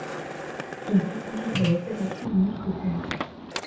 Il participe à l'opération Mousquetaire.